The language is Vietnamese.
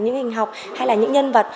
những hình học hay là những nhân vật